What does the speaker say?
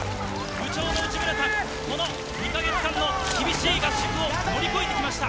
部長の内村さん、この２か月間の厳しい合宿を乗り越えてきました。